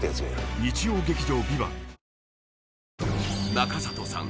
中里さん